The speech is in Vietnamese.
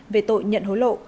về tội nhận hối lộ